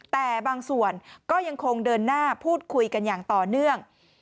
แต่บางส่วนก็ยังคงเดินหน้าพูดคุยกันอย่างต่อเนื่อง